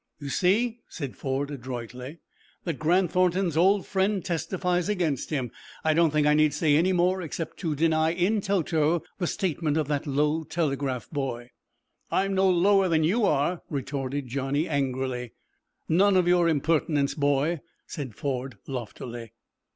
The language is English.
"You see," said Ford, adroitly, "that Grant Thornton's old friend testifies against him. I don't think I need say any more except to deny, in toto, the statement of that low telegraph boy." "I'm no lower than you are," retorted Johnny, angrily. "None of your impertinence, boy!" said Ford, loftily.